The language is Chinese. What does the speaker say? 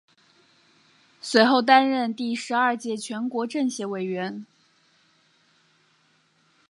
随后担任第十二届全国政协委员。